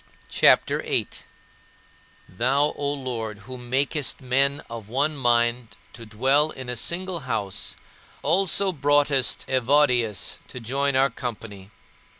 CHAPTER VIII 17. Thou, O Lord, who makest men of one mind to dwell in a single house, also broughtest Evodius to join our company.